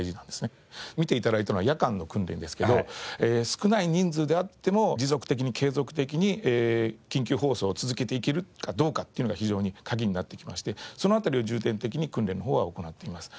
見て頂いたのは夜間の訓練ですけど少ない人数であっても持続的に継続的に緊急放送を続けていけるかどうかっていうのが非常に鍵になってきましてその辺りを重点的に訓練の方は行っています。